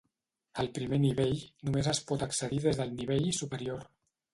Al primer nivell només es pot accedir des del nivell superior.